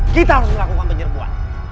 kita harus melakukan penyerbuan